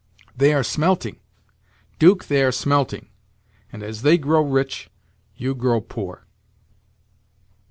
They are smelting, 'Duke they are smelting, and as they grow rich, you grow poor."